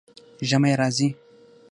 ژمی راځي